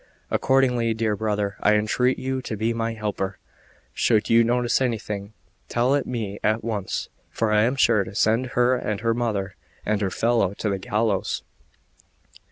Accordingly, dear brother, I entreat you to be my helper; should you notice anything, tell it me at once; for I am sure to send her and her mother and her fellow to the gallows.